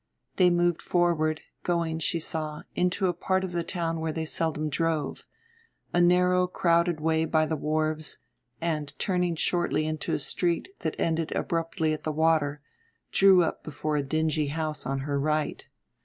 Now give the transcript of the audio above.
They moved forward, going, she saw, into a part of the town where they seldom drove the narrow crowded way by the wharves and, turning shortly into a street that ended abruptly at the water, drew up before a dingy house on her right.